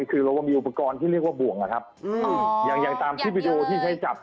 คือเราก็มีอุปกรณ์ที่เรียกว่าบ่วงนะครับอย่างตามคลิปวิดีโอที่ใช้จับ